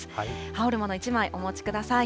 羽織るもの、１枚お持ちください。